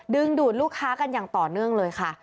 ดูดลูกค้ากันอย่างต่อเนื่องเลยค่ะ